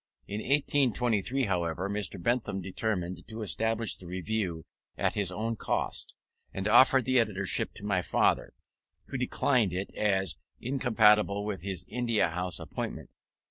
In 1823, however, Mr. Bentham determined to establish the Review at his own cost, and offered the editorship to my father, who declined it as incompatible with his India House appointment.